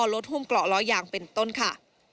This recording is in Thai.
รถถึงรถห้อเป็นต้นคะ